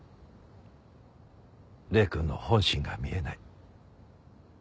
礼くんの本心が見えない。